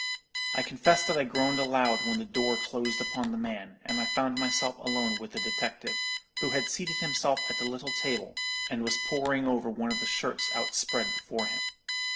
"I confess that I groaned aloud when the door closed upon the man, and I found myself alone with the detective, who had seated himself at the little table, and was poring over one of the shirts outspread before him.